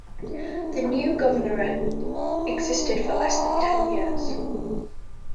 The new governorate existed for less than ten years.